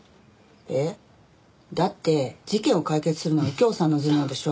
えっ？だって事件を解決するのは右京さんの頭脳でしょ？